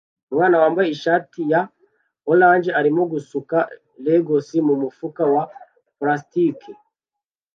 Umwana wambaye ishati ya orange arimo gusuka Legos mumufuka wa plastiki